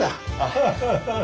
ハハハハハ。